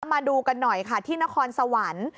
มาดูกันหน่อยค่ะที่นครสวรรค์